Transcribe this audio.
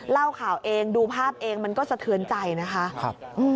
เล่าข่าวเองดูภาพเองมันก็สะเทือนใจนะคะ